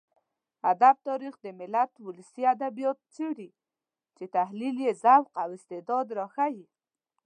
ادب تاريخ د ملت ولسي ادبيات څېړي چې تحليل يې ذوق او استعداد راښيي.